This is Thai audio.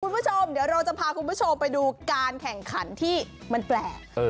คุณผู้ชมเดี๋ยวเราจะพาคุณผู้ชมไปดูการแข่งขันที่มันแปลก